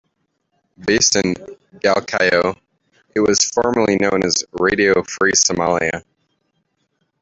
Based in Galkayo, it was formerly known as Radio Free Somalia.